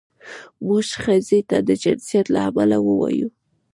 موږ ښځې ته د جنسیت له امله ووایو.